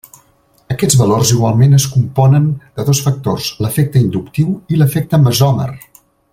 Aquests valors igualment es componen de dos factors: l'efecte inductiu i l'efecte mesòmer.